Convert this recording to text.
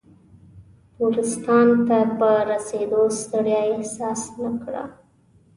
نورستان ته په رسېدو ستړیا احساس نه کړه.